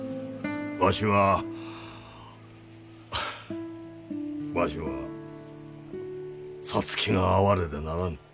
わしはわしは皐月が哀れでならぬ。